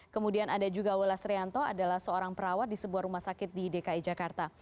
kemudian ada juga welas rianto adalah seorang perawat di sebuah rumah sakit di dki jakarta